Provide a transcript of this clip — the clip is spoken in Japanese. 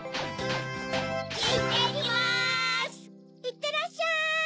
いってらっしゃい！